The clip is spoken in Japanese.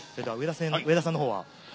上田さんの方は？